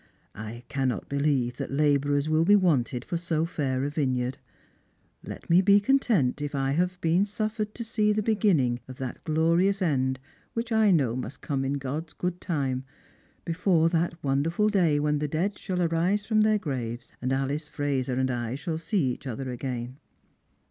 " I cannot believe that labourers will be wanted for so fair a vineyard. Let me be content if I have been suffered to see the beginning of that glorious end ivhich I know must come in God's good time, before that wonderful day when the dead shall arise from their graves, and Ahce Fraser and 1 shall see each ether again."